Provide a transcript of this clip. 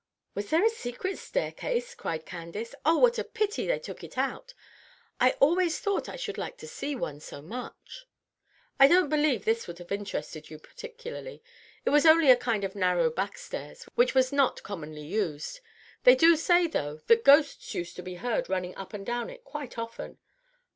"Was there a secret staircase?" cried Candace. "Oh, what a pity they took it out! I always thought I should like to see one so much." "I don't believe this would have interested you particularly. It was only a kind of narrow back stairs, which was not commonly used. They do say, though, that ghosts used to be heard running up and down it quite often."